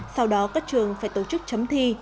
sau đó các trường phải tổ chức chấm thi